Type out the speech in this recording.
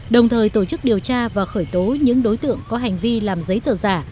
đồng thời tổ chức điều tra và khởi tố những đối tượng có hành vi làm giấy tờ giả